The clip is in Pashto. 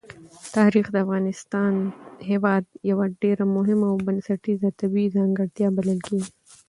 تاریخ د افغانستان هېواد یوه ډېره مهمه او بنسټیزه طبیعي ځانګړتیا بلل کېږي.